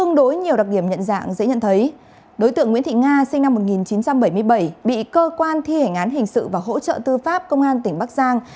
nguyễn văn tám sinh năm một nghìn chín trăm bảy mươi bảy bị cơ quan thi hành án hình sự và hỗ trợ tư pháp công an tỉnh bắc giang